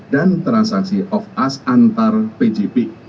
dan transaksi off ask antar pgp